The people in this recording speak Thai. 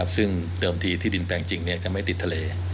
ซึ่งเดิมทีที่ดินแปลงจริงจะไม่ติดทะเล